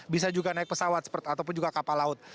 bisa juga naik pesawat ataupun juga kapal laut